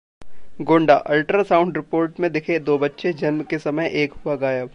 गोंडाः ultrasound report में दिखे दो बच्चे, जन्म के समय एक हुआ गायब